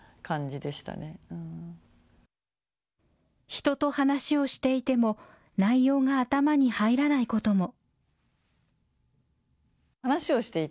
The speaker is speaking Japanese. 人と話をしていても内容が頭に入らないことも。